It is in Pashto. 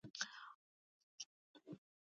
ایا زما څکل به ښه شي؟